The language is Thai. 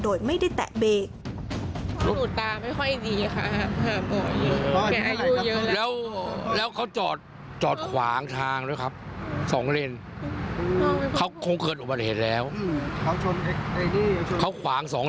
โดยไม่ได้แตะเบรก